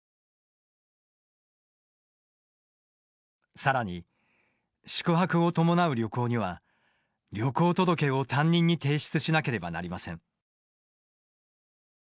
さらに宿泊を伴う旅行には「旅行届」を担任に提出しなければなりません。